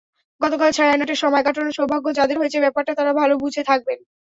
গতকাল ছায়ানটে সময় কাটানোর সৌভাগ্য যাঁদের হয়েছে, ব্যাপারটা তাঁরা ভালো বুঝে থাকবেন।